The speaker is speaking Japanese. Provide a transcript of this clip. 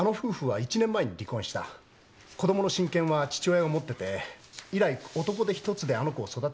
子供の親権は父親が持ってて以来男手ひとつであの子を育ててきた。